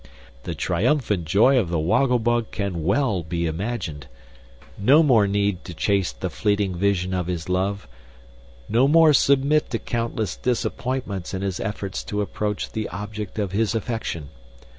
The triumphant joy of the Woggle Bug can well be imagined. No more need he chase the fleeting vision of his love no more submit to countless disappointments in his efforts to approach the object of his affection.